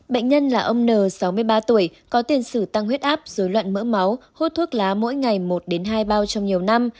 bệnh nhân là ông n sáu mươi ba tuổi có tiền xử tăng huyết áp dối loạn mỡ máu hút thuốc lá mỗi ngày một hai bao trong nhiều năm